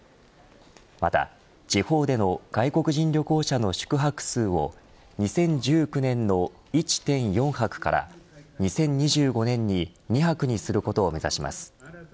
また地方での外国人旅行者の宿泊数を２０１９年の１．４泊から２０２５年に２泊にすることを目指します。